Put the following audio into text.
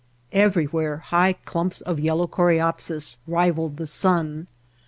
Everjrvvhere high clumps of yellow coreopsis rivaled the sun.